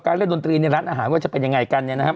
การเล่นดนตรีในร้านอาหารว่าจะเป็นยังไงกันนะฮะ